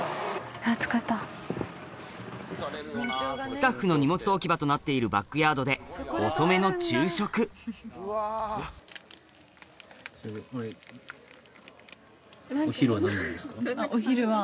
スタッフの荷物置き場となっているバックヤードで遅めの昼食お昼は。